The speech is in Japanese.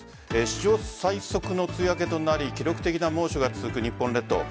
史上最速の梅雨明けとなり記録的な猛暑が続く日本列島。